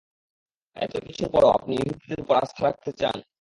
এত কিছুর পরও আপনি ইহুদীদের উপর আস্থা রাখতে চান?